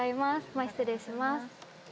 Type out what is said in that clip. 前、失礼します。